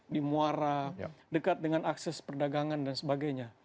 di muara dekat dengan akses perdagangan dan sebagainya